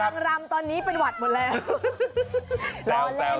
นางรำตอนนี้เป็นหวัดหมดแล้ว